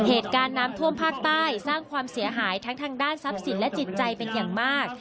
เหตุการณ์น้ำท่วมภาคใต้สร้างความเสียหายทั้งทางด้านทรัพย์สินและจิตใจเป็นอย่างมาก